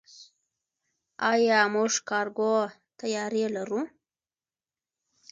آیا موږ کارګو طیارې لرو؟